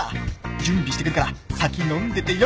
準備してくるから先飲んでてよ！